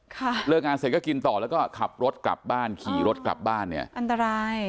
เลิกงานเสร็จก็กินต่อแล้วก็ขับรถกลับบ้านขี่รถกลับบ้านเนี่ยอันตราย